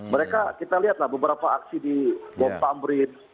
mereka kita lihatlah beberapa aksi di bom tamrin